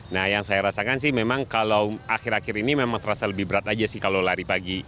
nah yang saya rasakan sih memang kalau akhir akhir ini memang terasa lebih berat aja sih kalau lari pagi